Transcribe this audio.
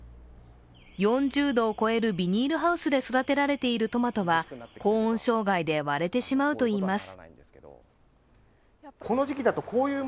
４０度を超えるビニールハウスで育てられているトマトは高温障害で割れてしまうといいます。